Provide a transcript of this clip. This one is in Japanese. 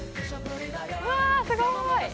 わすごい！